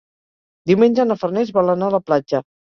Diumenge na Farners vol anar a la platja.